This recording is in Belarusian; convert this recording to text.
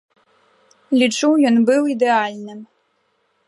Лічу, ён быў ідэальным.